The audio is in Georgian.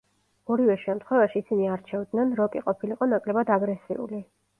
ორივე შემთხვევაში ისინი არჩევდნენ, როკი ყოფილიყო ნაკლებად აგრესიული.